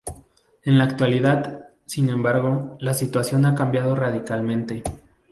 En la actualidad, sin embargo, la situación ha cambiado radicalmente.